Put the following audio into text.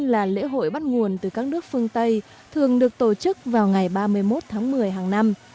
đây là lễ hội bắt nguồn từ các nước phương tây thường được tổ chức vào ngày ba mươi một tháng một mươi hàng năm